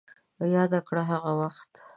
ياده کړه هغه وخت